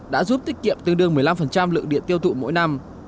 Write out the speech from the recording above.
đã giúp tiết kiệm tương đương một mươi năm lượng điện tiêu thụ mỗi năm